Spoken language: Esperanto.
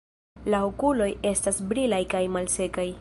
La okuloj estas brilaj kaj malsekaj.